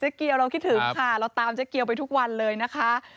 เกียวเราคิดถึงค่ะเราตามเจ๊เกียวไปทุกวันเลยนะคะ